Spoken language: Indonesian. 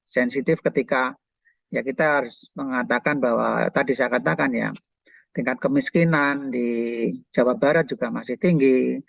sensitif ketika ya kita harus mengatakan bahwa tadi saya katakan ya tingkat kemiskinan di jawa barat juga masih tinggi